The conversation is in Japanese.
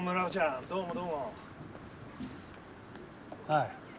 はい。